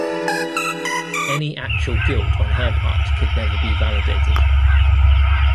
Any actual guilt on her part could never be validated.